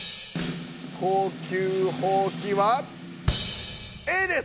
高級ほうきはＡです！